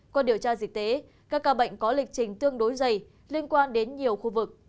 qua điều tra dịch tế các ca bệnh có lịch trình tương đối dày liên quan đến nhiều khu vực